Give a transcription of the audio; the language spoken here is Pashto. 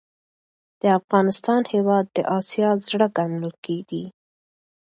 دافغانستان هیواد د اسیا زړه ګڼل کیږي.